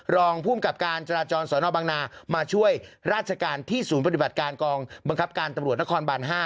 รองภูมิกับการจราจรสนบังนามาช่วยราชการที่ศูนย์ปฏิบัติการกองบังคับการตำรวจนครบาน๕